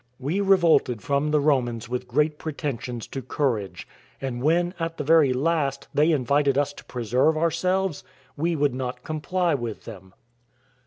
We revolted from the Romans with great pretensions to courage; and when, at the very last, they invited us to preserve ourselves, we would not comply with them.